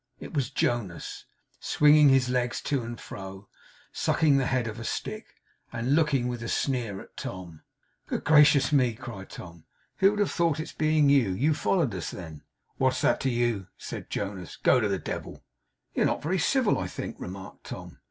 It was Jonas; swinging his legs to and fro, sucking the head of a stick, and looking with a sneer at Tom. 'Good gracious me!' cried Tom, 'who would have thought of its being you! You followed us, then?' 'What's that to you?' said Jonas. 'Go to the devil!' 'You are not very civil, I think,' remarked Tom.